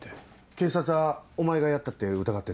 警察はお前がやったって疑ってんの？